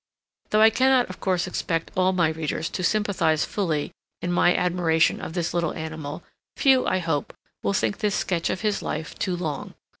Though I cannot of course expect all my readers to sympathize fully in my admiration of this little animal, few, I hope, will think this sketch of his life too long.